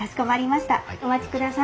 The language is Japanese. お待ちください。